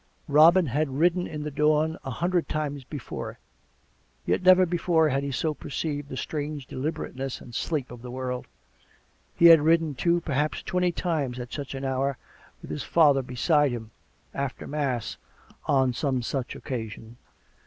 Robin had ridden in the dawn an hundred times before; yet never before had he so perceived that strange deliber ateness and sleep of' the world; and he had ridden, too, perhaps twenty times at such an hour, with his father be side him, after mass on some such occasion.